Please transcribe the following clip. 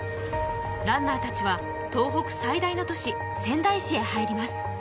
ランナーたちは東北最大の都市・仙台市へ入ります。